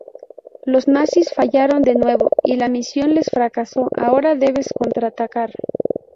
Los nazis fallaron de nuevo y la misión les fracasó, ahora debes contraatacar.